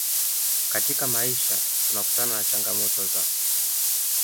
katika maisha tunakutana na changamoto za